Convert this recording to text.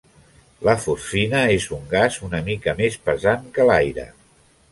La fosfina és un gas una mica més pesant que l'aire.